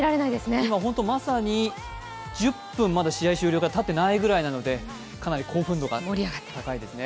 今、まさに１０分、まだ試合終了からたっていないくらいなのでかなり興奮度が高いですね。